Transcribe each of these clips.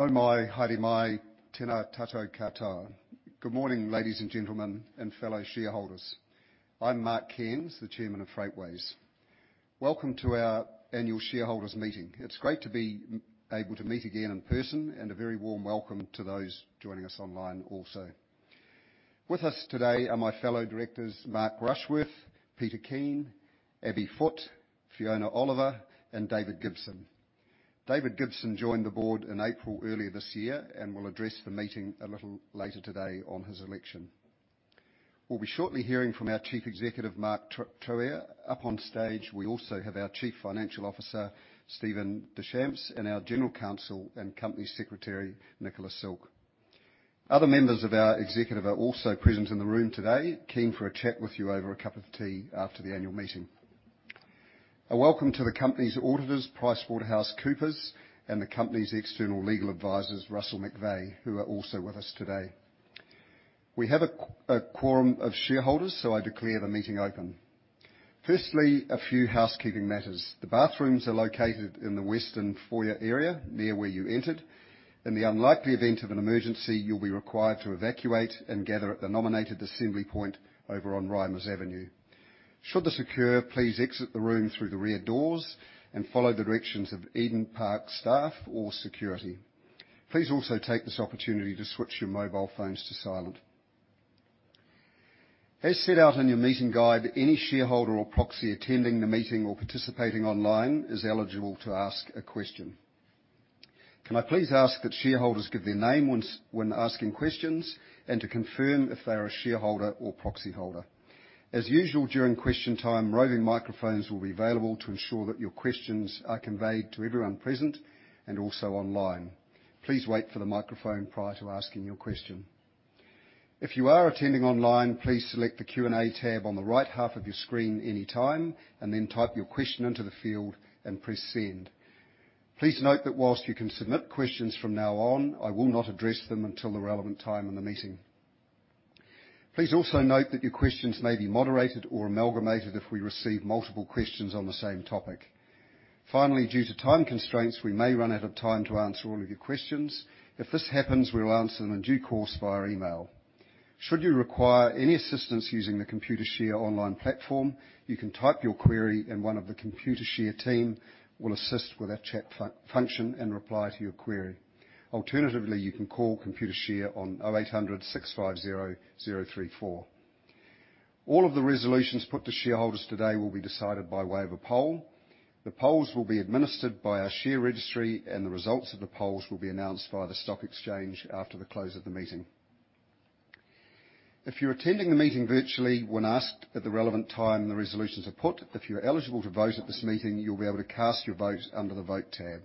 Nau mai, haere mai, tena tatou katoa. Good morning, ladies and gentlemen and fellow shareholders. I'm Mark Cairns, the Chairman of Freightways. Welcome to our annual shareholders' meeting. It's great to be able to meet again in person, and a very warm welcome to those joining us online also. With us today are my fellow directors, Mark Rushworth, Peter Kean, Abby Foote, Fiona Oliver, and David Gibson. David Gibson joined the board in April earlier this year and will address the meeting a little later today on his election. We'll be shortly hearing from our Chief Executive, Mark Troughear. Up on stage, we also have our Chief Financial Officer, Stephan Deschamps, and our General Counsel and Company Secretary, Nicola Silke. Other members of our executive are also present in the room today, keen for a chat with you over a cup of tea after the annual meeting. A welcome to the company's auditors, PricewaterhouseCoopers, and the company's external legal advisors, Russell McVeagh, who are also with us today. We have a quorum of shareholders, so I declare the meeting open. Firstly, a few housekeeping matters. The bathrooms are located in the western foyer area, near where you entered. In the unlikely event of an emergency, you'll be required to evacuate and gather at the nominated assembly point over on Reimers Avenue. Should this occur, please exit the room through the rear doors and follow the directions of Eden Park staff or security. Please also take this opportunity to switch your mobile phones to silent. As set out in your meeting guide, any shareholder or proxy attending the meeting or participating online is eligible to ask a question. Can I please ask that shareholders give their name when asking questions, and to confirm if they're a shareholder or proxy holder. As usual, during question time, roving microphones will be available to ensure that your questions are conveyed to everyone present and also online. Please wait for the microphone prior to asking your question. If you are attending online, please select the Q&A tab on the right half of your screen anytime, and then type your question into the field and press Send. Please note that while you can submit questions from now on, I will not address them until the relevant time in the meeting. Please also note that your questions may be moderated or amalgamated if we receive multiple questions on the same topic. Finally, due to time constraints, we may run out of time to answer all of your questions. If this happens, we'll answer them in due course via email. Should you require any assistance using the Computershare online platform, you can type your query, and one of the Computershare team will assist with our chat function and reply to your query. Alternatively, you can call Computershare on 0800-650-034. All of the resolutions put to shareholders today will be decided by way of a poll. The polls will be administered by our share registry, and the results of the polls will be announced via the stock exchange after the close of the meeting. If you're attending the meeting virtually, when asked at the relevant time the resolutions are put, if you're eligible to vote at this meeting, you'll be able to cast your vote under the Vote tab.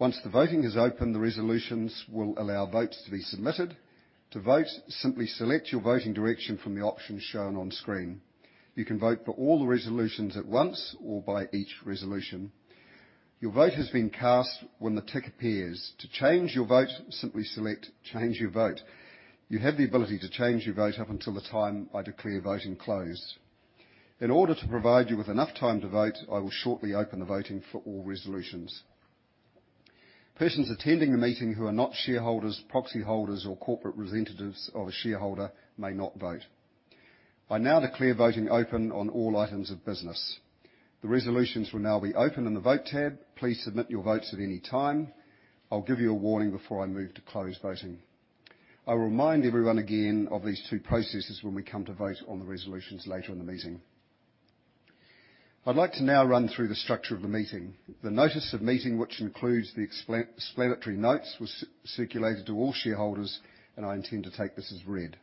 Once the voting is open, the resolutions will allow votes to be submitted. To vote, simply select your voting direction from the options shown on screen. You can vote for all the resolutions at once or by each resolution. Your vote has been cast when the tick appears. To change your vote, simply select Change Your Vote. You have the ability to change your vote up until the time I declare voting closed. In order to provide you with enough time to vote, I will shortly open the voting for all resolutions. Persons attending the meeting who are not shareholders, proxy holders, or corporate representatives of a shareholder may not vote. I now declare voting open on all items of business. The resolutions will now be open in the Vote tab. Please submit your votes at any time. I'll give you a warning before I move to close voting. I'll remind everyone again of these two processes when we come to vote on the resolutions later in the meeting. I'd like to now run through the structure of the meeting. The notice of meeting, which includes the explanatory notes, was circulated to all shareholders, and I intend to take this as read.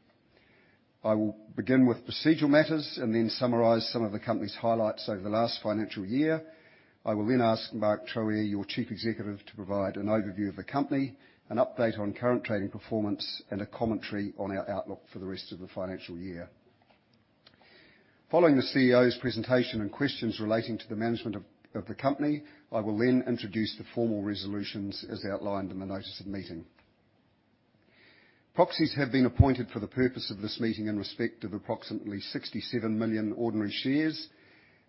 I will begin with procedural matters and then summarize some of the company's highlights over the last financial year. I will then ask Mark Troughear, your Chief Executive, to provide an overview of the company, an update on current trading performance, and a commentary on our outlook for the rest of the financial year. Following the CEO's presentation and questions relating to the management of the company, I will then introduce the formal resolutions as outlined in the notice of meeting. Proxies have been appointed for the purpose of this meeting in respect of approximately 67 million ordinary shares.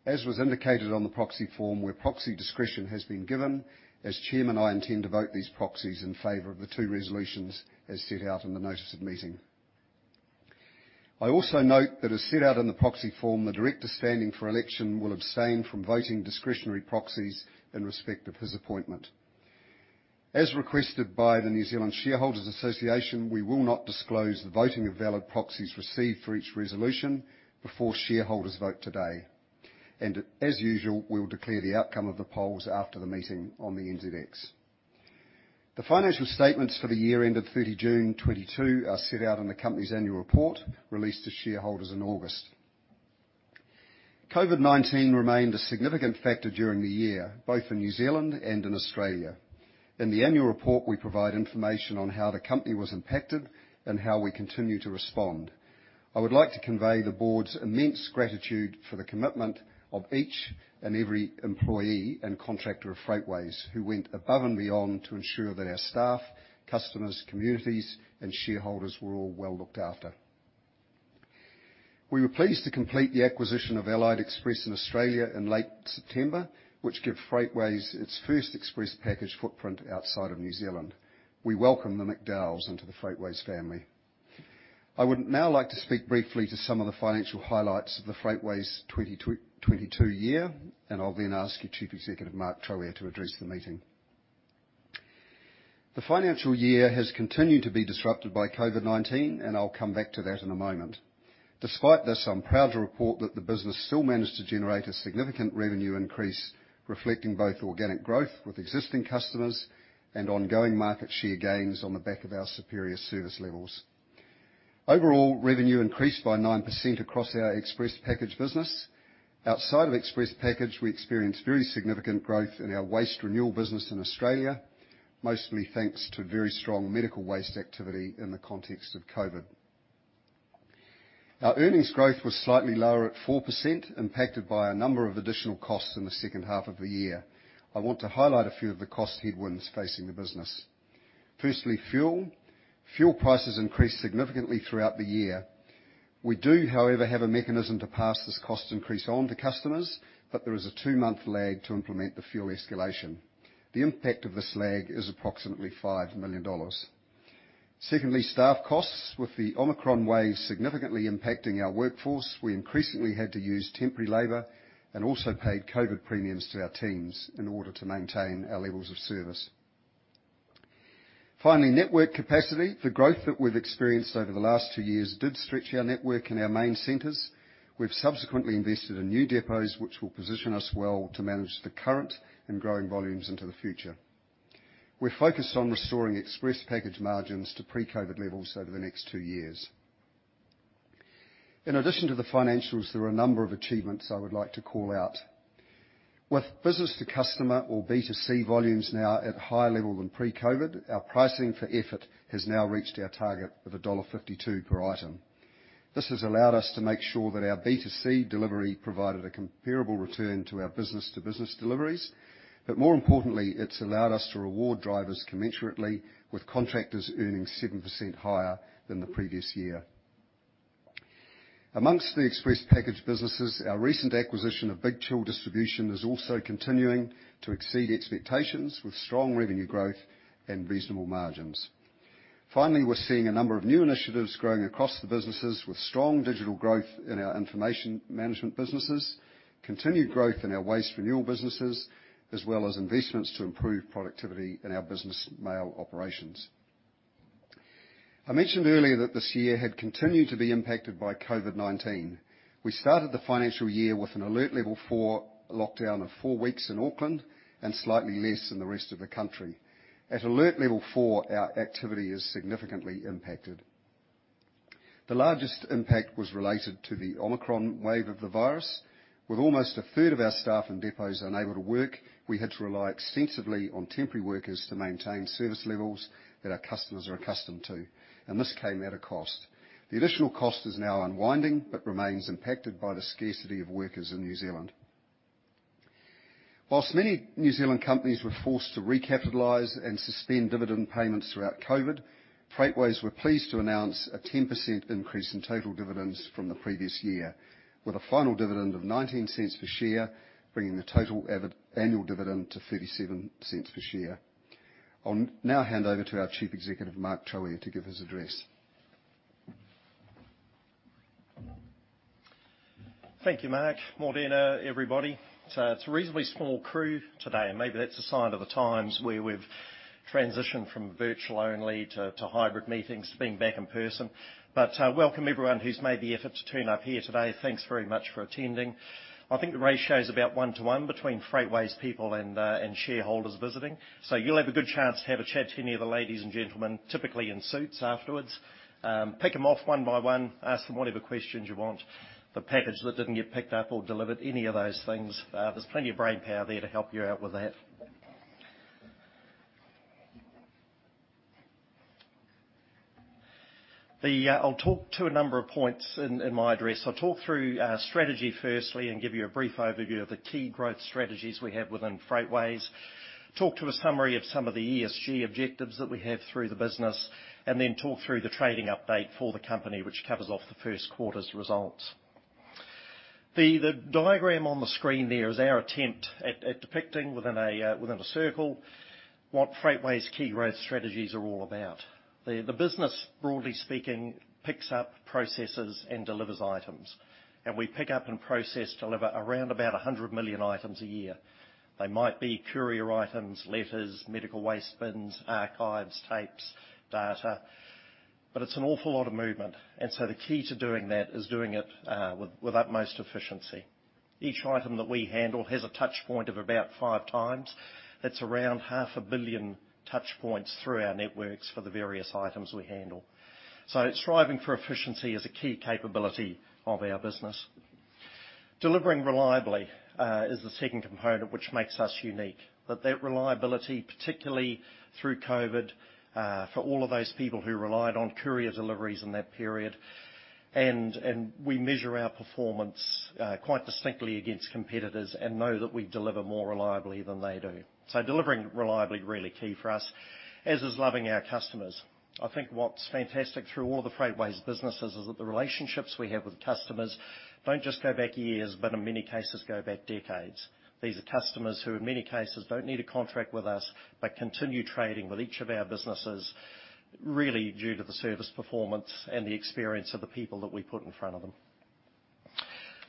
As was indicated on the proxy form, where proxy discretion has been given, as chairman, I intend to vote these proxies in favor of the two resolutions as set out in the notice of meeting. I also note that as set out in the proxy form, the director standing for election will abstain from voting discretionary proxies in respect of his appointment. As requested by the New Zealand Shareholders’ Association, we will not disclose the voting of valid proxies received for each resolution before shareholders vote today. As usual, we will declare the outcome of the polls after the meeting on the NZX. The financial statements for the year ended June 30, 2022 are set out in the company's annual report released to shareholders in August. COVID-19 remained a significant factor during the year, both in New Zealand and in Australia. In the annual report, we provide information on how the company was impacted and how we continue to respond. I would like to convey the board's immense gratitude for the commitment of each and every employee and contractor of Freightways who went above and beyond to ensure that our staff, customers, communities, and shareholders were all well looked after. We were pleased to complete the acquisition of Allied Express in Australia in late September, which gave Freightways its first express package footprint outside of New Zealand. We welcome McDowell family into the Freightways family. I would now like to speak briefly to some of the financial highlights of the Freightways 2022 year, and I'll then ask the Chief Executive, Mark Troughear, to address the meeting. The financial year has continued to be disrupted by COVID-19, and I'll come back to that in a moment. Despite this, I'm proud to report that the business still managed to generate a significant revenue increase, reflecting both organic growth with existing customers and ongoing market share gains on the back of our superior service levels. Overall, revenue increased by 9% across our express package business. Outside of express package, we experienced very significant growth in our Waste Renewal business in Australia, mostly thanks to very strong medical waste activity in the context of COVID. Our earnings growth was slightly lower at 4%, impacted by a number of additional costs in the second half of the year. I want to highlight a few of the cost headwinds facing the business. Firstly, fuel. Fuel prices increased significantly throughout the year. We do, however, have a mechanism to pass this cost increase on to customers, but there is a two-month lag to implement the fuel escalation. The impact of this lag is approximately 5 million dollars. Secondly, staff costs. With the Omicron wave significantly impacting our workforce, we increasingly had to use temporary labor and also paid COVID premiums to our teams in order to maintain our levels of service. Finally, network capacity. The growth that we've experienced over the last two years did stretch our network in our main centers. We've subsequently invested in new depots, which will position us well to manage the current and growing volumes into the future. We're focused on restoring express package margins to pre-COVID levels over the next two years. In addition to the financials, there are a number of achievements I would like to call out. With business-to-customer or B2C volumes now at a higher level than pre-COVID, our pricing for effort has now reached our target of dollar 1.52 per item. This has allowed us to make sure that our B2C delivery provided a comparable return to our business-to-business deliveries. More importantly, it's allowed us to reward drivers commensurately, with contractors earning 7% higher than the previous year. Among the express package businesses, our recent acquisition of Big Chill Distribution is also continuing to exceed expectations, with strong revenue growth and reasonable margins. Finally, we're seeing a number of new initiatives growing across the businesses with strong digital growth in ourInformation Management businesses, continued growth in our Waste Renewal businesses, as well as investments to improve productivity in our Business Mail operations. I mentioned earlier that this year had continued to be impacted by COVID-19. We started the financial year with anAlert Level 4 lockdown of four weeks in Auckland and slightly less in the rest of the country. AtAlert Level 4, our activity is significantly impacted. The largest impact was related to the Omicron wave of the virus. With almost a third of our staff and depots unable to work, we had to rely extensively on temporary workers to maintain service levels that our customers are accustomed to, and this came at a cost. The additional cost is now unwinding, but remains impacted by the scarcity of workers in New Zealand. While many New Zealand companies were forced to recapitalize and suspend dividend payments throughout COVID, Freightways were pleased to announce a 10% increase in total dividends from the previous year, with a final dividend of 0.19 per share, bringing the total annual dividend to 0.37 per share. I'll now hand over to our Chief Executive, Mark Troughear, to give his address. Thank you, Mark. Mōrena, everybody. It's a reasonably small crew today, and maybe that's a sign of the times where we've transitioned from virtual-only to hybrid meetings, to being back in person. Welcome everyone who's made the effort to turn up here today. Thanks very much for attending. I think the ratio is about one to one between Freightways people and shareholders visiting. You'll have a good chance to have a chat to any of the ladies and gentlemen, typically in suits, afterwards. Pick them off one by one, ask them whatever questions you want. The package that didn't get picked up or delivered, any of those things, there's plenty of brainpower there to help you out with that. I'll talk to a number of points in my address. I'll talk through our strategy firstly and give you a brief overview of the key growth strategies we have within Freightways. Talk to a summary of some of the ESG objectives that we have through the business, and then talk through the trading update for the company, which covers off the first-quarter results. The diagram on the screen there is our attempt at depicting within a circle what Freightways' key growth strategies are all about. The business, broadly speaking, picks up, processes, and delivers items. We pick up and process, deliver around about 100 million items a year. They might be courier items, letters, medical waste bins, archives, tapes, data, but it's an awful lot of movement. The key to doing that is doing it with utmost efficiency. Each item that we handle has a touch point of about five times. That's around half a billion touch points through our networks for the various items we handle. Striving for efficiency is a key capability of our business. Delivering reliably is the second component which makes us unique. That reliability, particularly through COVID, for all of those people who relied on courier deliveries in that period, we measure our performance quite distinctly against competitors and know that we deliver more reliably than they do. Delivering reliably really key for us, as is loving our customers. I think what's fantastic through all the Freightways businesses is that the relationships we have with customers don't just go back years, but in many cases go back decades. These are customers who in many cases don't need a contract with us, but continue trading with each of our businesses, really due to the service performance and the experience of the people that we put in front of them.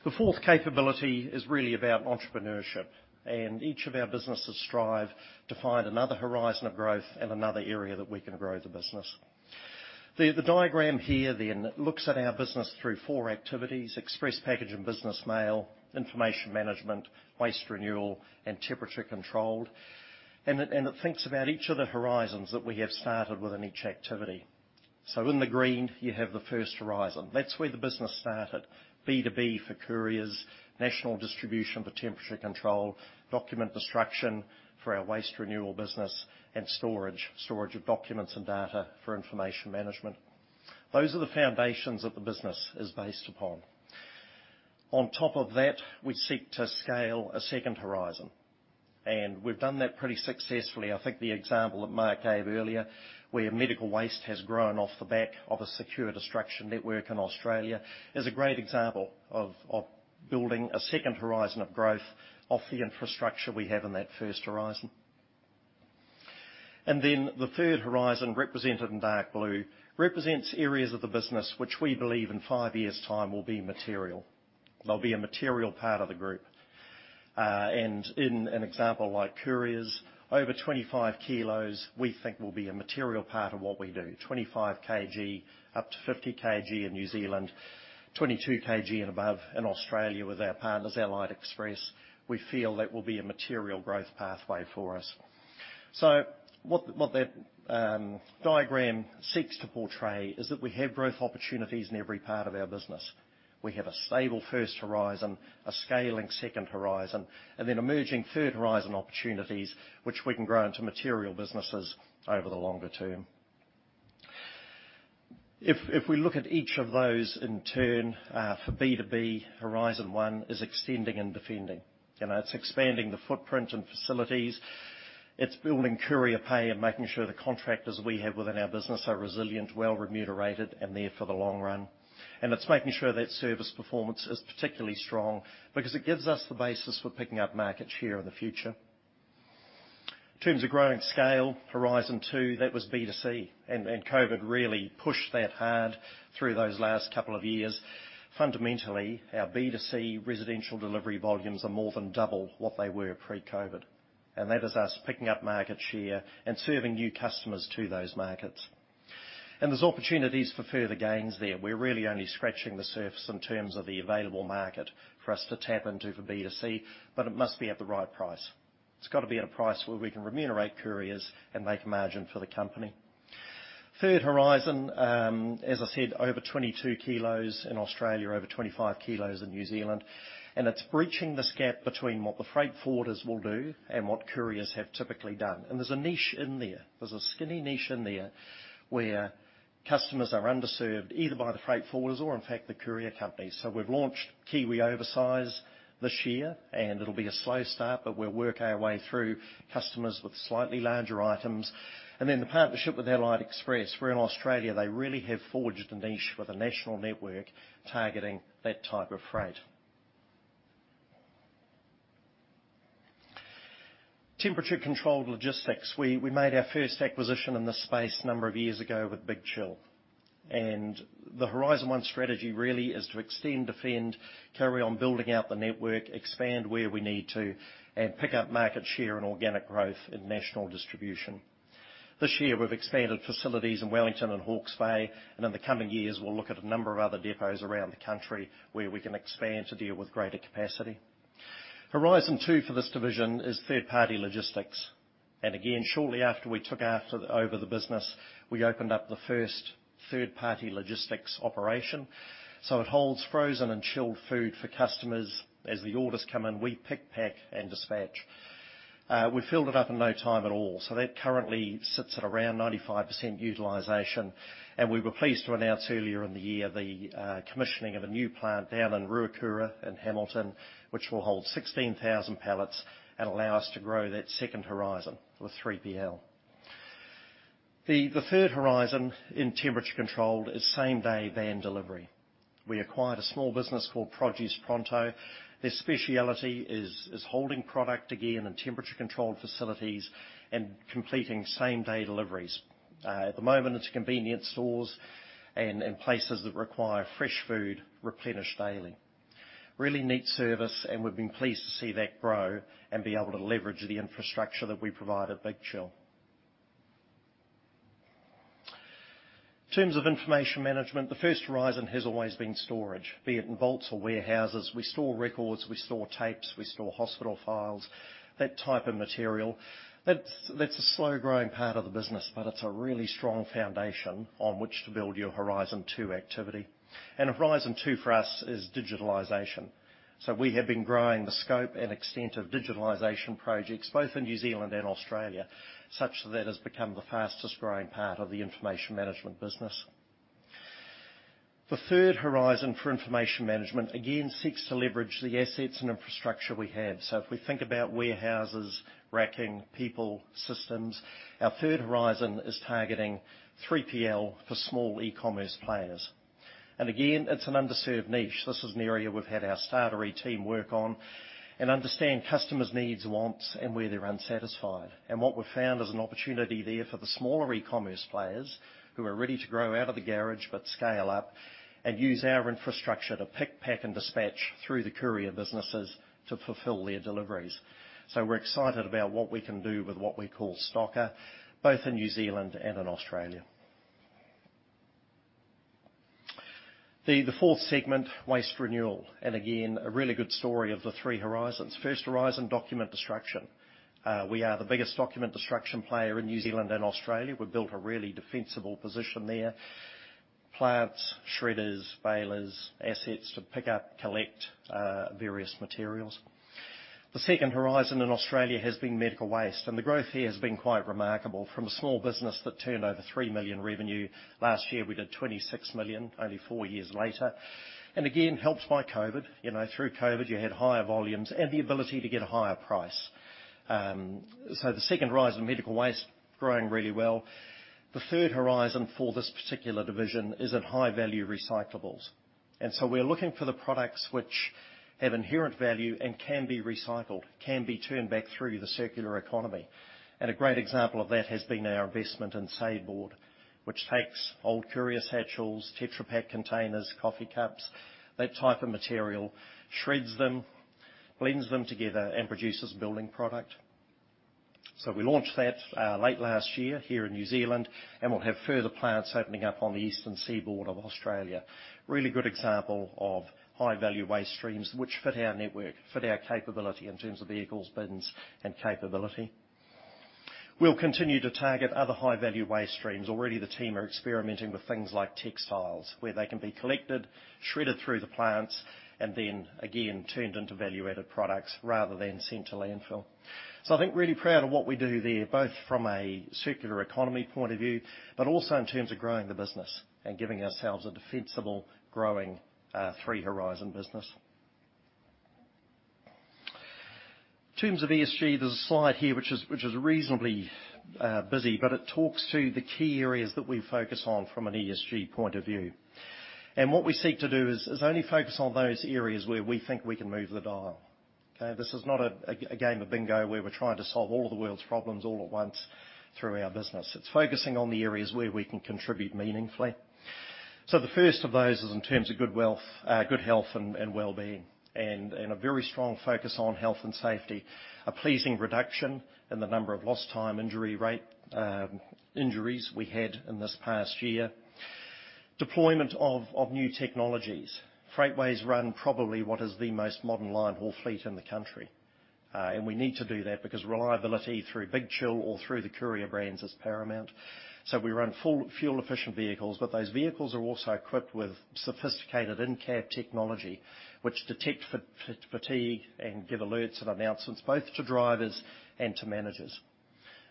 The fourth capability is really about entrepreneurship, and each of our businesses strive to find another horizon of growth and another area that we can grow the business. The diagram here then looks at our Express Package and Business Mail, Information Management, Waste Renewal, and Temperature Controlled. It thinks about each of the horizons that we have started within each activity. In the green you have the first horizon. That's where the business started. B2B for couriers, national distribution for temperature control, document destruction for our Waste Renewal business, and storage of documents and data forInformation Management. Those are the foundations that the business is based upon. On top of that, we seek to scale a second horizon, and we've done that pretty successfully. I think the example that Mark gave earlier, where medical waste has grown off the back of a secure destruction network in Australia, is a great example of building a second horizon of growth off the infrastructure we have in that first horizon. The third horizon, represented in dark blue, represents areas of the business which we believe in five years' time will be material. They'll be a material part of the group. In an example like couriers, over 25 kg we think will be a material part of what we do. 25 kg up to 50 kg in New Zealand, 22 kg and above in Australia with our partners, Allied Express. We feel that will be a material growth pathway for us. What the diagram seeks to portray is that we have growth opportunities in every part of our business. We have a stable first horizon, a scaling second horizon, and then emerging third horizon opportunities which we can grow into material businesses over the longer term. If we look at each of those in turn, for B2B, Horizon One is extending and defending. You know, it's expanding the footprint and facilities. It's building courier pay and making sure the contractors we have within our business are resilient, well remunerated, and there for the long run. It's making sure that service performance is particularly strong because it gives us the basis for picking up market share in the future. In terms of growing scale, Horizon Two, that was B2C, and COVID really pushed that hard through those last couple of years. Fundamentally, our B2C residential delivery volumes are more than double what they were pre-COVID. That is us picking up market share and serving new customers to those markets. There's opportunities for further gains there. We're really only scratching the surface in terms of the available market for us to tap into for B2C, but it must be at the right price. It's gotta be at a price where we can remunerate couriers and make a margin for the company. Third horizon, as I said, over 22 kg in Australia, over 25 kg in New Zealand. It's bridging this gap between what the freight forwarders will do and what couriers have typically done. There's a niche in there. There's a skinny niche in there where customers are underserved either by the freight forwarders or in fact the courier companies. We've launched Kiwi Oversize this year, and it'll be a slow start, but we'll work our way through customers with slightly larger items. The partnership with Allied Express, where in Australia they really have forged a niche with a national network targeting that type of freight. Temperature-controlled logistics. We made our first acquisition in this space a number of years ago with Big Chill. The Horizon One strategy really is to extend, defend, carry on building out the network, expand where we need to, and pick up market share and organic growth in national distribution. This year we've expanded facilities in Wellington and Hawke’s Bay, and in the coming years we'll look at a number of other depots around the country where we can expand to deal with greater capacity. Horizon two for this division is third-party logistics. Again, shortly after we took over the business, we opened up the first third-party logistics operation. It holds frozen and chilled food for customers. As the orders come in, we pick, pack, and dispatch. We filled it up in no time at all. That currently sits at around 95% utilization. We were pleased to announce earlier in the year the commissioning of a new plant down in Ruakura, in Hamilton, which will hold 16,000 pallets and allow us to grow that second horizon with 3PL. The third horizon in Temperature Controlled is same-day van delivery. We acquired a small business called Produce Pronto. Their specialty is holding product, again, in temperature-controlled facilities and completing same-day deliveries. At the moment it's convenience stores and places that require fresh food replenished daily. Really neat service, and we've been pleased to see that grow and be able to leverage the infrastructure that we provide at Big Chill. In termsInformation Management, the first horizon has always been storage, be it in vaults or warehouses. We store records, we store tapes, we store hospital files, that type of material. That's a slow-growing part of the business, but it's a really strong foundation on which to build your Horizon Two activity. Horizon two for us is digitalization. We have been growing the scope and extent of digitalization projects both in New Zealand and Australia, such that has become the fastest growing part of the Information Management business. The third horizon forInformation Management again seeks to leverage the assets and infrastructure we have. If we think about warehouses, racking, people, systems, our third horizon is targeting 3PL for small e-commerce players. Again, it's an underserved niche. This is an area we've had our Startery team work on and understand customers' needs, wants, and where they're unsatisfied. What we've found is an opportunity there for the smaller e-commerce players who are ready to grow out of the garage, but scale up and use our infrastructure to pick, pack, and dispatch through the courier businesses to fulfill their deliveries. We're excited about what we can do with what we call Stocka, both in New Zealand and in Australia. The fourth segment, Waste Renewal, and again, a really good story of the three horizons. First horizon, document destruction. We are the biggest document destruction player in New Zealand and Australia. We've built a really defensible position there. Plants, shredders, balers, assets to pick up, collect, various materials. The second horizon in Australia has been medical waste, and the growth here has been quite remarkable from a small business that turned over 3 million revenue. Last year, we did 26 million, only four years later. Again, helped by COVID. You know, through COVID, you had higher volumes and the ability to get a higher price. The second horizon, medical waste, growing really well. The third horizon for this particular division is in high-value recyclables. We are looking for the products which have inherent value and can be recycled, can be turned back through the circular economy. A great example of that has been our investment in SaveBOARD, which takes old courier satchels, Tetra Pak containers, coffee cups, that type of material, shreds them, blends them together, and produces building product. We launched that late last year here in New Zealand, and we'll have further plants opening up on the eastern seaboard of Australia. Really good example of high-value waste streams which fit our network, fit our capability in terms of vehicles, bins, and capability. We'll continue to target other high-value waste streams. Already the team are experimenting with things like textiles, where they can be collected, shredded through the plants, and then again, turned into value-added products rather than sent to landfill. I think really proud of what we do there, both from a circular economy point of view, but also in terms of growing the business and giving ourselves a defensible, growing, three-horizon business. In terms of ESG, there's a slide here which is reasonably busy, but it talks to the key areas that we focus on from an ESG point of view. What we seek to do is only focus on those areas where we think we can move the dial. Okay. This is not a game of bingo where we're trying to solve all of the world's problems all at once through our business. It's focusing on the areas where we can contribute meaningfully. The first of those is in terms of good health and well-being, and a very strong focus on health and safety. A pleasing reduction in the number of lost time injury rate injuries we had in this past year. Deployment of new technologies. Freightways run probably what is the most modern line haul fleet in the country. We need to do that because reliability through Big Chill or through the courier brands is paramount. We run full fuel-efficient vehicles, but those vehicles are also equipped with sophisticated in-cab technology, which detect fatigue and give alerts and announcements both to drivers and to managers.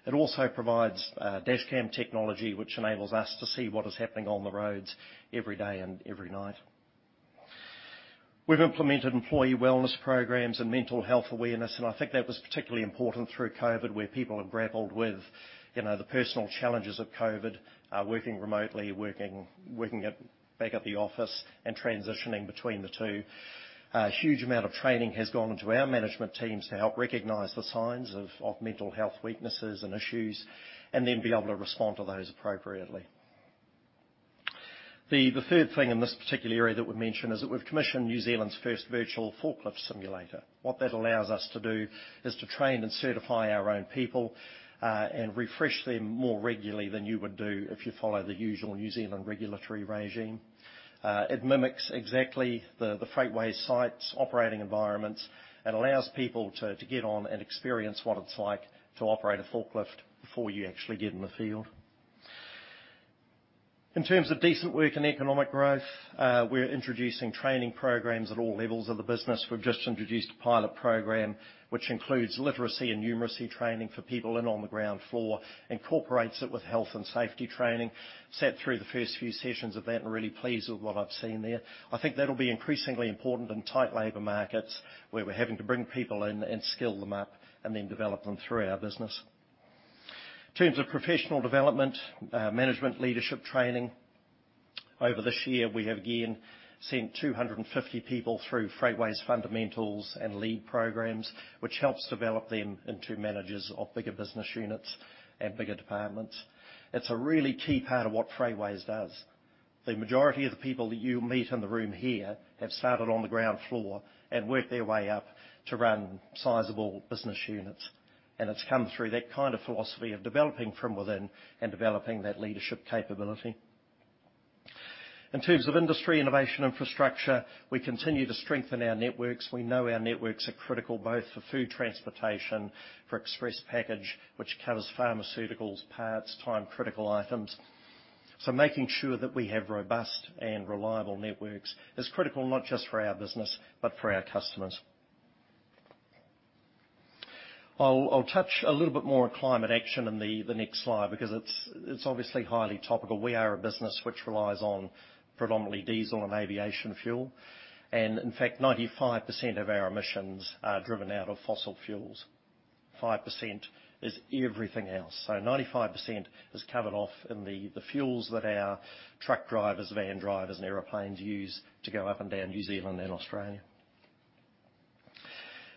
It also provides dash cam technology, which enables us to see what is happening on the roads every day and every night. We've implemented employee wellness programs and mental health awareness, and I think that was particularly important through COVID, where people have grappled with, you know, the personal challenges of COVID, working remotely, working back at the office, and transitioning between the two. A huge amount of training has gone into our management teams to help recognize the signs of mental health weaknesses and issues, and then be able to respond to those appropriately. The third thing in this particular area that we've mentioned is that we've commissioned New Zealand's first virtual forklift simulator. What that allows us to do is to train and certify our own people, and refresh them more regularly than you would do if you follow the usual New Zealand regulatory regime. It mimics exactly the Freightways sites' operating environments and allows people to get on and experience what it's like to operate a forklift before you actually get in the field. In terms of decent work and economic growth, we're introducing training programs at all levels of the business. We've just introduced a pilot program, which includes literacy and numeracy training for people in on the ground floor, incorporates it with health and safety training. Sat through the first few sessions of that and really pleased with what I've seen there. I think that'll be increasingly important in tight labor markets, where we're having to bring people in and skill them up, and then develop them through our business. In terms of professional development, management leadership training, over this year, we have again sent 250 people through Freightways Fundamentals and leadership programs, which helps develop them into managers of bigger business units and bigger departments. It's a really key part of what Freightways does. The majority of the people that you meet in the room here have started on the ground floor and worked their way up to run sizable business units, and it's come through that kind of philosophy of developing from within and developing that leadership capability. In terms of industry, innovation, infrastructure, we continue to strengthen our networks. We know our networks are critical both for food transportation, for express package, which covers pharmaceuticals, parts, time-critical items. Making sure that we have robust and reliable networks is critical not just for our business, but for our customers. I'll touch a little bit more on climate action in the next slide because it's obviously highly topical. We are a business which relies on predominantly diesel and aviation fuel, and in fact, 95% of our emissions are driven out of fossil fuels. 5% is everything else. 95% is covered off in the fuels that our truck drivers, van drivers, and airplanes use to go up and down New Zealand and Australia.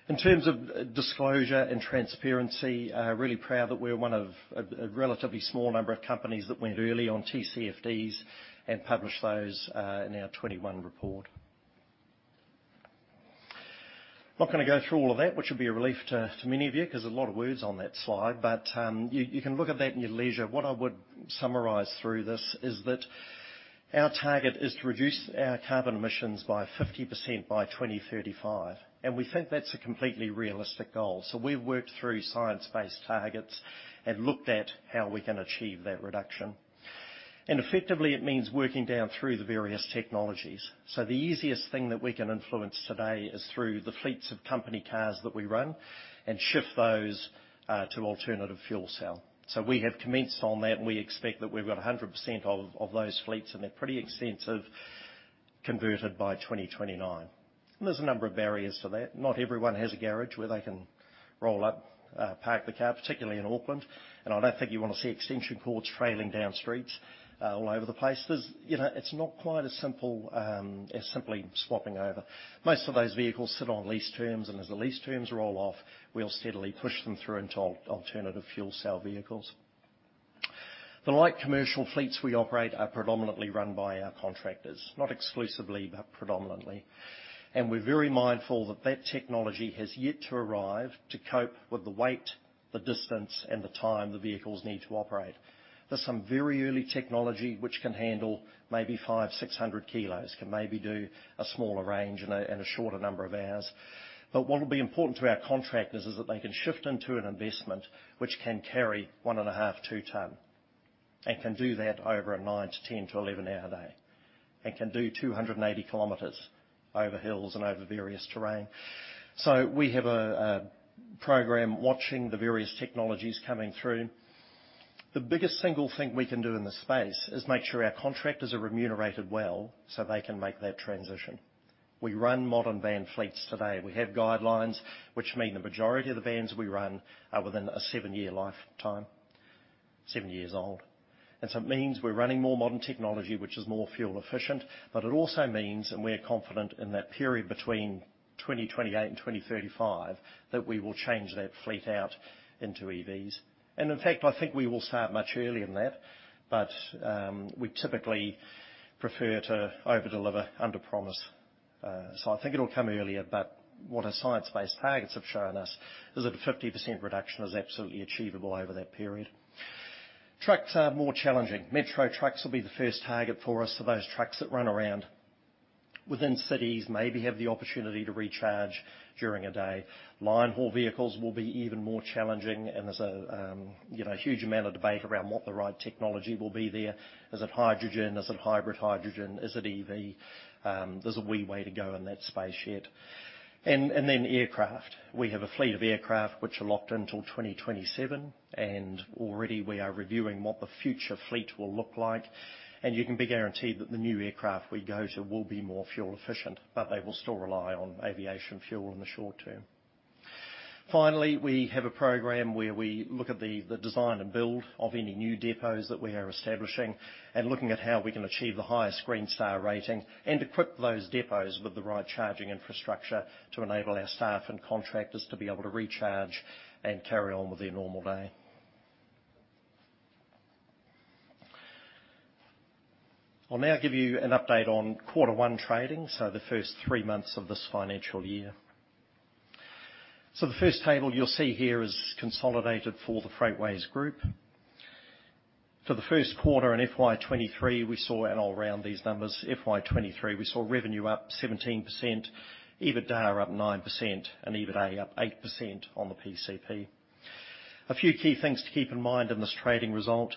In terms of disclosure and transparency, really proud that we're one of a relatively small number of companies that went early on TCFD and published those in our 2021 report. Not gonna go through all of that, which will be a relief to many of you, 'cause a lot of words on that slide. You can look at that in your leisure. What I would summarize through this is that our target is to reduce our carbon emissions by 50% by 2035, and we think that's a completely realistic goal. We've worked through Science Based Targets initiative and looked at how we can achieve that reduction. Effectively, it means working down through the various technologies. The easiest thing that we can influence today is through the fleets of company cars that we run and shift those to alternative fuel cell. We have commenced on that, and we expect that we've got 100% of those fleets, and they're pretty extensive, converted by 2029. There's a number of barriers to that. Not everyone has a garage where they can roll up, park the car, particularly in Auckland, and I don't think you wanna see extension cords trailing down streets, all over the place. You know, it's not quite as simple as simply swapping over. Most of those vehicles sit on lease terms, and as the lease terms roll off, we'll steadily push them through into alternative fuel cell vehicles. The light commercial fleets we operate are predominantly run by our contractors. Not exclusively, but predominantly. We're very mindful that that technology has yet to arrive to cope with the weight, the distance, and the time the vehicles need to operate. There's some very early technology which can handle maybe 500-600 kg, can maybe do a smaller range and a shorter number of hours. What will be important to our contractors is that they can shift into an investment which can carry 1.5-2 ton, and can do that over a 9- to 11-hour day, and can do 280 km over hills and over various terrain. We have a program watching the various technologies coming through. The biggest single thing we can do in this space is make sure our contractors are remunerated well, so they can make that transition. We run modern van fleets today. We have guidelines which mean the majority of the vans we run are within a 7-year lifetime, 7 years old. It means we're running more modern technology, which is more fuel efficient, but it also means, and we're confident in that period between 2028 and 2035, that we will change that fleet out into EVs. In fact, I think we will start much earlier than that. We typically prefer to over-deliver, under-promise. I think it'll come earlier, but what our Science Based Targets initiative have shown us is that a 50% reduction is absolutely achievable over that period. Trucks are more challenging. Metro trucks will be the first target for us. Those trucks that run around within cities, maybe have the opportunity to recharge during a day. Line haul vehicles will be even more challenging, and there's a you know, huge amount of debate around what the right technology will be there. Is it hydrogen? Is it hybrid hydrogen? Is it EV? There's a wee way to go in that space yet. Then aircraft. We have a fleet of aircraft which are locked in till 2027, and already we are reviewing what the future fleet will look like. You can be guaranteed that the new aircraft we go to will be more fuel efficient, but they will still rely on aviation fuel in the short term. Finally, we have a program where we look at the design and build of any new depots that we are establishing and looking at how we can achieve the highest Green Star rating and equip those depots with the right charging infrastructure to enable our staff and contractors to be able to recharge and carry on with their normal day. I'll now give you an update on quarter one trading, so the first three months of this financial year. The first table you'll see here is consolidated for the Freightways Group. For the first quarter in FY23, we saw, and I'll round these numbers, FY23, we saw revenue up 17%, EBITDA up 9%, and EBITA up 8% on the PCP. A few key things to keep in mind in this trading result.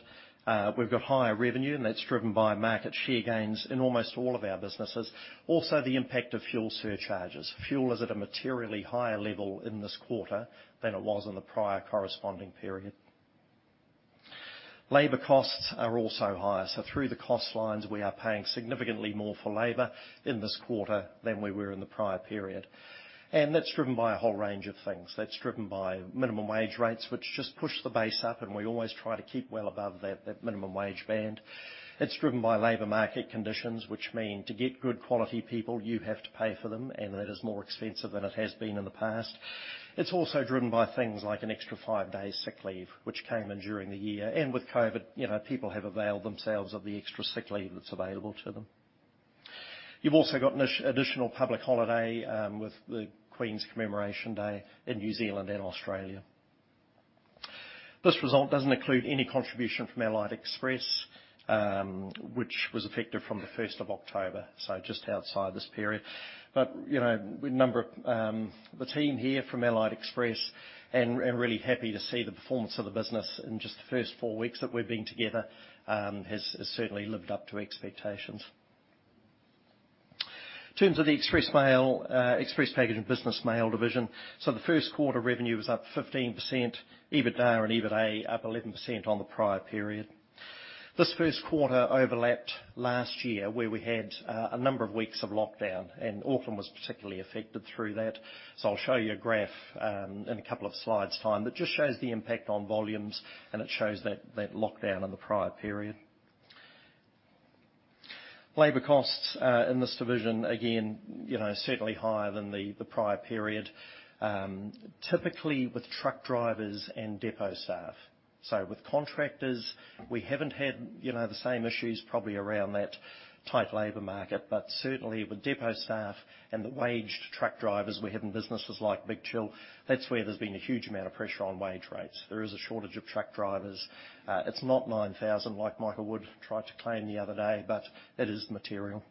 We've got higher revenue, and that's driven by market share gains in almost all of our businesses. Also, the impact of fuel surcharges. Fuel is at a materially higher level in this quarter than it was in the prior corresponding period. Labor costs are also higher. Through the cost lines, we are paying significantly more for labor in this quarter than we were in the prior period. That's driven by a whole range of things. That's driven by minimum wage rates, which just push the base up, and we always try to keep well above that minimum wage band. It's driven by labor market conditions, which mean to get good quality people, you have to pay for them, and that is more expensive than it has been in the past. It's also driven by things like an extra five days' sick leave, which came in during the year. With COVID, you know, people have availed themselves of the extra sick leave that's available to them. You've also got an additional public holiday with the Queen Elizabeth II Memorial Day in New Zealand and Australia. This result doesn't include any contribution from Allied Express, which was effective from the first of October, so just outside this period. You know, we welcome the team here from Allied Express and really happy to see the performance of the business in just the first four weeks that we've been together has certainly lived up to expectations. In Express Package and Business Mail division. The first quarter revenue was up 15%, EBITDA and EBITA up 11% on the prior period. This first quarter overlapped last year where we had a number of weeks of lockdown, and Auckland was particularly affected through that. I'll show you a graph in a couple of slides' time that just shows the impact on volumes, and it shows that lockdown in the prior period. Labor costs in this division, again, you know, certainly higher than the prior period, typically with truck drivers and depot staff. With contractors, we haven't had, you know, the same issues probably around that tight labor market. Certainly with depot staff and the waged truck drivers we have in businesses like Big Chill, that's where there's been a huge amount of pressure on wage rates. There is a shortage of truck drivers. It's not 9,000 like Michael Wood tried to claim the other day, but it is material.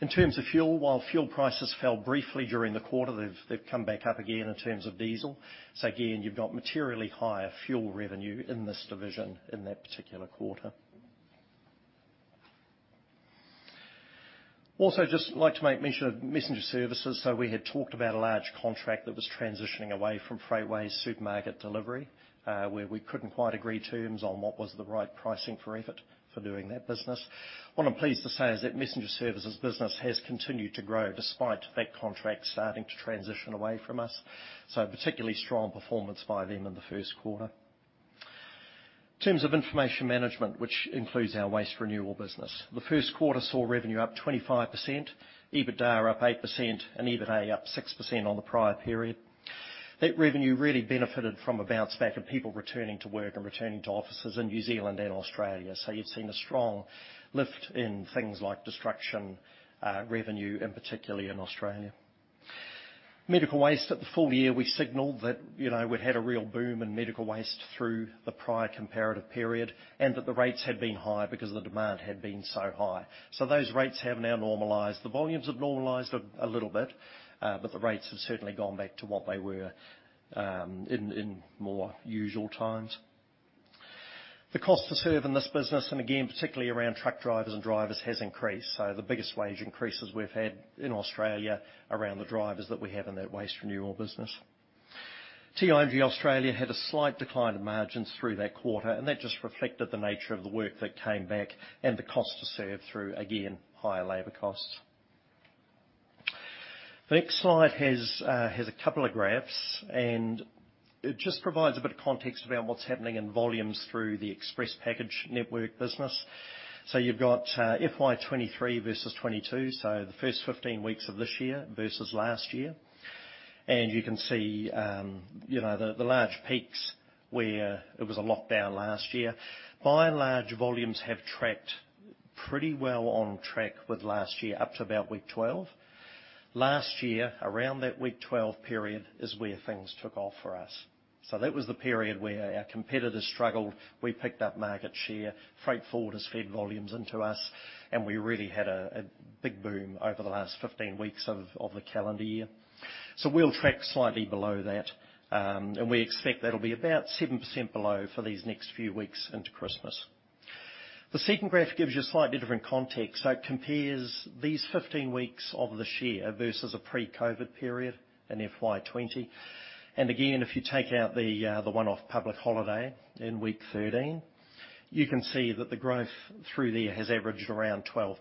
In terms of fuel, while fuel prices fell briefly during the quarter, they've come back up again in terms of diesel. Again, you've got materially higher fuel revenue in this division in that particular quarter. Also, just like to make mention of Messenger Services. We had talked about a large contract that was transitioning away from Freightways' supermarket delivery, where we couldn't quite agree terms on what was the right pricing for effort for doing that business. What I'm pleased to say is that Messenger Services business has continued to grow despite that contract starting to transition away from us, so particularly strong performance by them in the first quarter. In terms ofInformation Management, which includes our Waste Renewal business. The first quarter saw revenue up 25%, EBITDA up 8% and EBITA up 6% on the prior period. That revenue really benefited from a bounce back of people returning to work and returning to offices in New Zealand and Australia. You've seen a strong lift in things like destruction, revenue, and particularly in Australia. Medical waste, at the full year, we signaled that, you know, we'd had a real boom in medical waste through the prior comparative period, and that the rates had been high because the demand had been so high. Those rates have now normalized. The volumes have normalized a little bit, but the rates have certainly gone back to what they were in more usual times. The cost to serve in this business, and again, particularly around truck drivers and drivers, has increased. The biggest wage increases we've had in Australia around the drivers that we have in that Waste Renewal business. TIG Australia had a slight decline in margins through that quarter, and that just reflected the nature of the work that came back and the cost to serve through, again, higher labor costs. The next slide has a couple of graphs, and it just provides a bit of context around what's happening in volumes through Express Package network business. You've got FY23 versus FY22, so the first 15 weeks of this year versus last year. You can see the large peaks where it was a lockdown last year. By and large, volumes have tracked pretty well on track with last year up to about week 12. Last year, around that week 12 period is where things took off for us. That was the period where our competitors struggled. We picked up market share, freight forwarders fed volumes into us, and we really had a big boom over the last 15 weeks of the calendar year. We'll track slightly below that, and we expect that'll be about 7% below for these next few weeks into Christmas. The second graph gives you a slightly different context. It compares these 15 weeks of the year versus a pre-COVID period in FY20. Again, if you take out the one-off public holiday in week 13, you can see that the growth through there has averaged around 12%.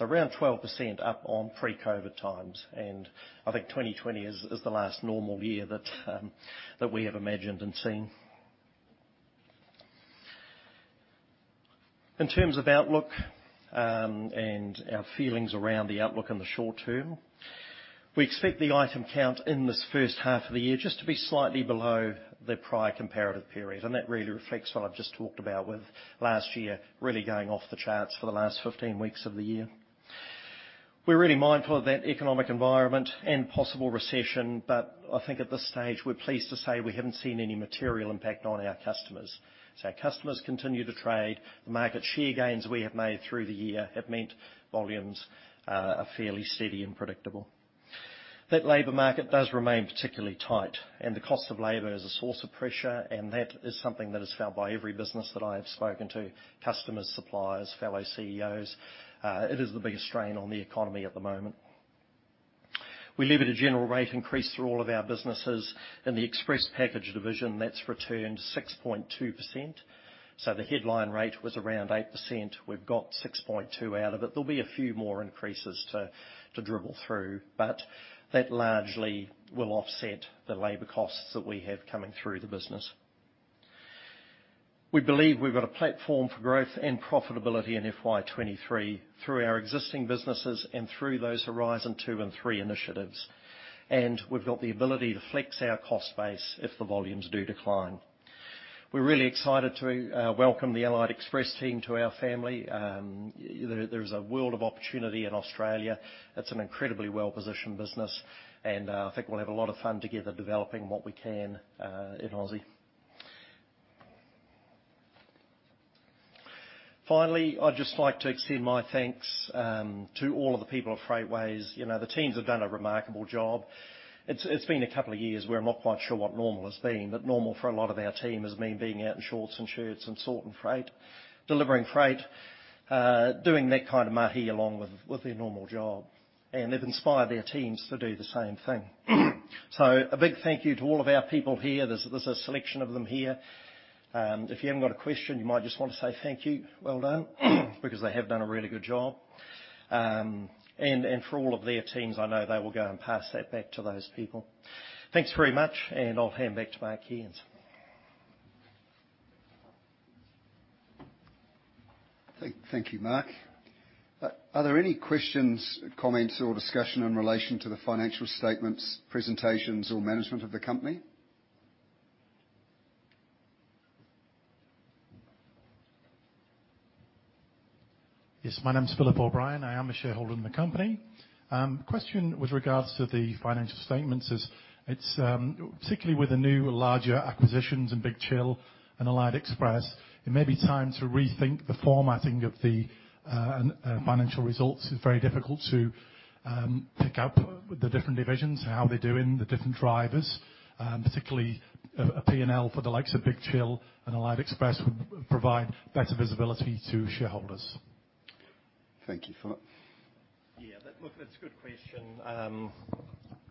Around 12% up on pre-COVID times. I think 2020 is the last normal year that we have imagined and seen. In terms of outlook, and our feelings around the outlook in the short term, we expect the item count in this first half of the year just to be slightly below the prior comparative period. That really reflects what I've just talked about with last year, really going off the charts for the last 15 weeks of the year. We're really mindful of that economic environment and possible recession, but I think at this stage, we're pleased to say we haven't seen any material impact on our customers. Our customers continue to trade. The market share gains we have made through the year have meant volumes are fairly steady and predictable. That labor market does remain particularly tight, and the cost of labor is a source of pressure, and that is something that is felt by every business that I have spoken to, customers, suppliers, fellow CEOs. It is the biggest strain on the economy at the moment. We leveraged a general rate increase through all of our businesses. In Express Package division, that's returned 6.2%. The headline rate was around 8%. We've got 6.2 out of it. There'll be a few more increases to dribble through, but that largely will offset the labor costs that we have coming through the business. We believe we've got a platform for growth and profitability in FY23 through our existing businesses and through those Horizon Two and Horizon Three initiatives. We've got the ability to flex our cost base if the volumes do decline. We're really excited to welcome the Allied Express team to our family. There's a world of opportunity in Australia. It's an incredibly well-positioned business, and I think we'll have a lot of fun together developing what we can in Aussie. Finally, I'd just like to extend my thanks to all of the people at Freightways. You know, the teams have done a remarkable job. It's been a couple of years where I'm not quite sure what normal has been, but normal for a lot of our team has been being out in shorts and shirts and sorting freight, delivering freight. Doing that kind of mahi along with their normal job, and they've inspired their teams to do the same thing. So a big thank you to all of our people here. There's a selection of them here. If you haven't got a question, you might just wanna say thank you, well done, because they have done a really good job. And for all of their teams, I know they will go and pass that back to those people. Thanks very much, and I'll hand back to Mark Cairns. Thank you, Mark. Are there any questions, comments, or discussion in relation to the financial statements, presentations, or management of the company? Yes, my name is Philip O'Brien. I am a shareholder in the company. Question with regards to the financial statements is, it's particularly with the new larger acquisitions in Big Chill and Allied Express, it may be time to rethink the formatting of the financial results. It's very difficult to pick out the different divisions and how they're doing, the different drivers. Particularly a P&L for the likes of Big Chill and Allied Express would provide better visibility to shareholders. Thank you, Philip. Look, that's a good question.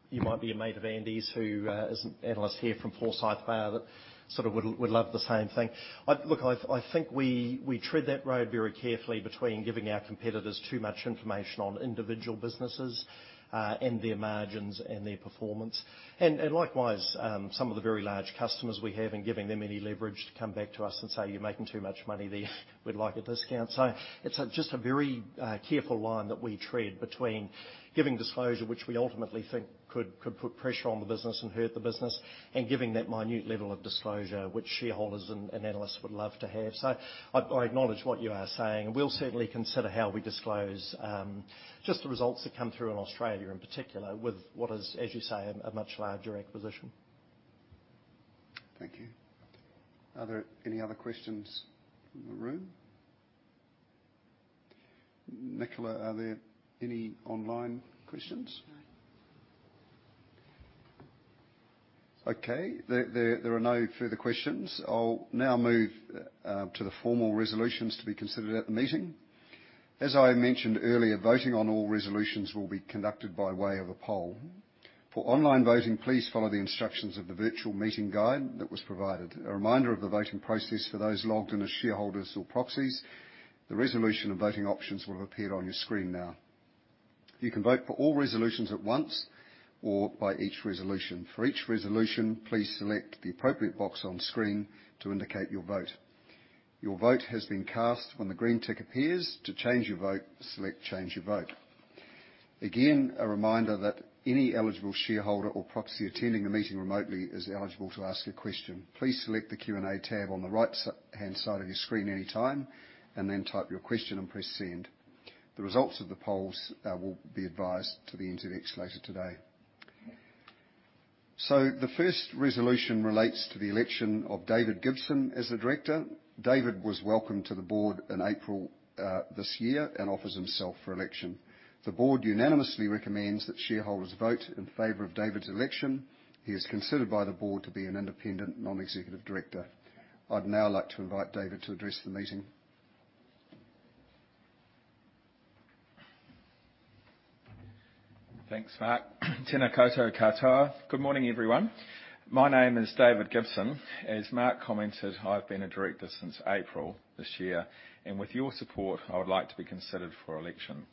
You might be a mate of Andy's who is an analyst here from Forsyth Barr that sort of would love the same thing. Look, I think we tread that road very carefully between giving our competitors too much information on individual businesses and their margins and their performance. Likewise, some of the very large customers we have and giving them any leverage to come back to us and say, "You're making too much money there. We'd like a discount." It's just a very careful line that we tread between giving disclosure, which we ultimately think could put pressure on the business and hurt the business, and giving that minute level of disclosure which shareholders and analysts would love to have. I acknowledge what you are saying, and we'll certainly consider how we disclose just the results that come through in Australia in particular with what is, as you say, a much larger acquisition. Thank you. Are there any other questions from the room? Nicola, are there any online questions? No. Okay. There are no further questions. I'll now move to the formal resolutions to be considered at the meeting. As I mentioned earlier, voting on all resolutions will be conducted by way of a poll. For online voting, please follow the instructions of the virtual meeting guide that was provided. A reminder of the voting process for those logged in as shareholders or proxies, the resolution and voting options will have appeared on your screen now. You can vote for all resolutions at once or by each resolution. For each resolution, please select the appropriate box on screen to indicate your vote. Your vote has been cast when the green tick appears. To change your vote, select Change Your Vote. Again, a reminder that any eligible shareholder or proxy attending the meeting remotely is eligible to ask a question. Please select the Q&A tab on the right right-hand side of your screen anytime, and then type your question and press Send. The results of the polls will be advised to the NZX later today. The first resolution relates to the election of David Gibson as a director. David was welcomed to the board in April this year and offers himself for election. The board unanimously recommends that shareholders vote in favor of David's election. He is considered by the board to be an independent non-executive director. I'd now like to invite David to address the meeting. Thanks, Mark. Tēnā koutou katoa. Good morning, everyone. My name is David Gibson. As Mark commented, I've been a director since April this year, and with your support, I would like to be considered for election.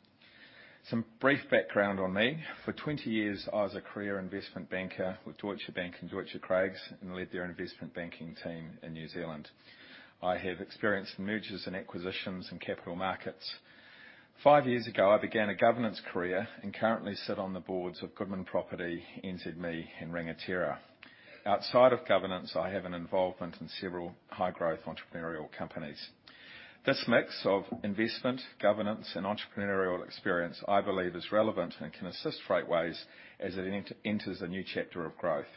Some brief background on me. For 20 years, I was a career investment banker with Deutsche Bank andDeutsche Craigs and led their investment banking team in New Zealand. I have experience in mergers and acquisitions and capital markets. Five years ago, I began a governance career and currently sit on the boards of Goodman Property Trust, NZME, and Rangatira. Outside of governance, I have an involvement in several high-growth entrepreneurial companies. This mix of investment, governance, and entrepreneurial experience, I believe is relevant and can assist Freightways as it enters a new chapter of growth.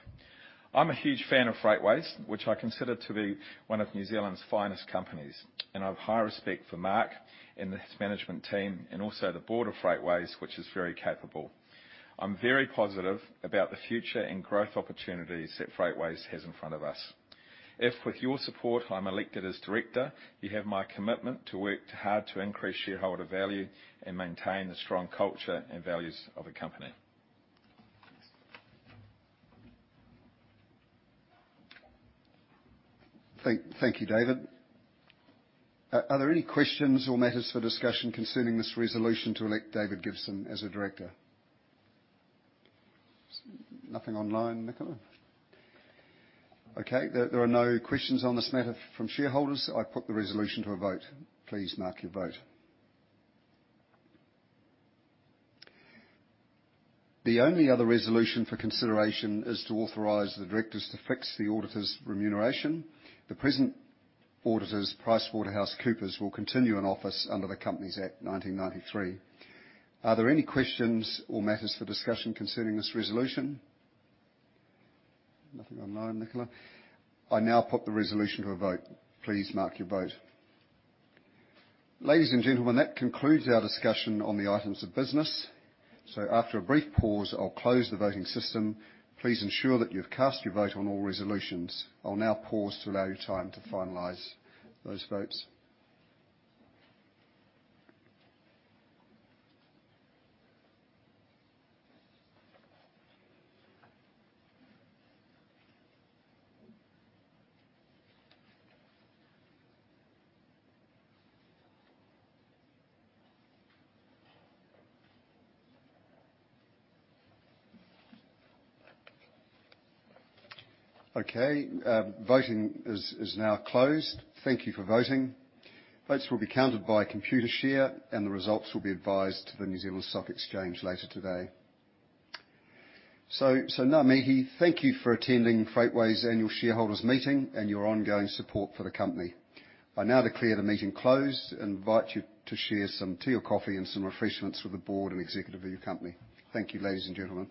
I'm a huge fan of Freightways, which I consider to be one of New Zealand's finest companies, and I've high respect for Mark and his management team, and also the board of Freightways, which is very capable. I'm very positive about the future and growth opportunities that Freightways has in front of us. If with your support, I'm elected as director, you have my commitment to work hard to increase shareholder value and maintain the strong culture and values of the company. Thank you, David. Are there any questions or matters for discussion concerning this resolution to elect David Gibson as a director? Nothing online, Nicola? Okay. There are no questions on this matter from shareholders. I put the resolution to a vote. Please mark your vote. The only other resolution for consideration is to authorize the directors to fix the auditor's remuneration. The present auditors, PricewaterhouseCoopers, will continue in office under the Companies Act 1993. Are there any questions or matters for discussion concerning this resolution? Nothing online, Nicola. I now put the resolution to a vote. Please mark your vote. Ladies and gentlemen, that concludes our discussion on the items of business. After a brief pause, I'll close the voting system. Please ensure that you've cast your vote on all resolutions. I'll now pause to allow you time to finalize those votes. Okay. Voting is now closed. Thank you for voting. Votes will be counted by Computershare, and the results will be advised to the New Zealand Stock Exchange later today. Ngā mihi. Thank you for attending Freightways Annual Shareholders' Meeting and your ongoing support for the company. I now declare the meeting closed and invite you to share some tea or coffee and some refreshments with the board and executive of your company. Thank you, ladies and gentlemen.